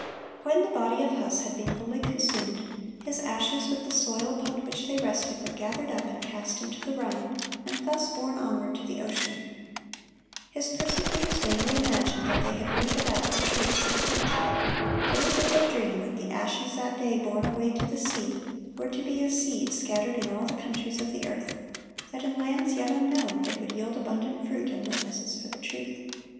(144) When the body of Huss had been wholly consumed, his ashes, with the soil upon which they rested, were gathered up and cast into the Rhine, and thus borne onward to the ocean. His persecutors vainly imagined that they had rooted out the truths he preached. Little did they dream that the ashes that day borne away to the sea were to be as seed scattered in all the countries of the earth; that in lands yet unknown it would yield abundant fruit in witnesses for the truth.